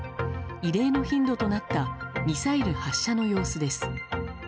異例の頻度となったミサイル発射の様子です。